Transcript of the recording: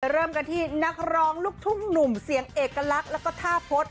มาเริ่มกันที่นักร้องลูกทุกหนุ่มเสียงเอกลักษณ์และถ้าพด